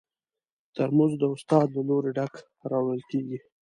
ترموز د استاد له لوري ډک راوړل کېږي.